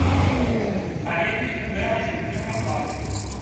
¡Parece un grao de execución razoable!